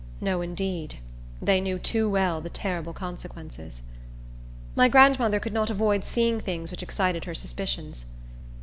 No, indeed! They knew too well the terrible consequences. My grandmother could not avoid seeing things which excited her suspicions.